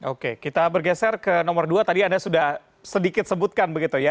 oke kita bergeser ke nomor dua tadi anda sudah sedikit sebutkan begitu ya